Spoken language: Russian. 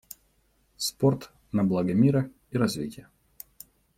Спорт на благо мира и развития.